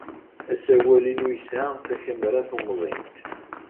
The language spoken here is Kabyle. Asawal-inu yesɛa takamra tumḍint.